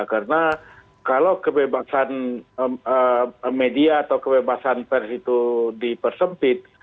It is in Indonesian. karena kalau kebebasan media atau kebebasan pers itu dipersempit